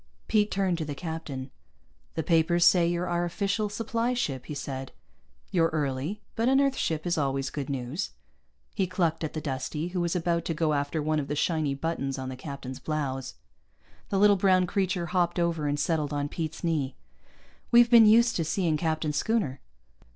Pete turned to the captain. "The papers say you're our official supply ship," he said. "You're early, but an Earth ship is always good news." He clucked at the Dustie, who was about to go after one of the shiny buttons on the captain's blouse. The little brown creature hopped over and settled on Pete's knee. "We've been used to seeing Captain Schooner."